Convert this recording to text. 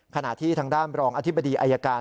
ขณะที่ทางด้านรองอธิบดีอายการ